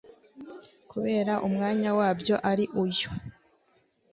kubera umwanya wabyo ari uyu